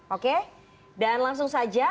oke dan langsung saja